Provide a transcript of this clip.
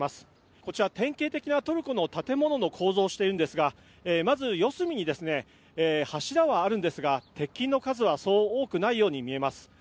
こちら、典型的なトルコの建物の構造をしているんですがまず四隅に柱はあるんですが鉄筋の数はそう多くないように見えます。